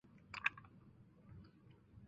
其坚忍不拔的性格就在苦牢中形成。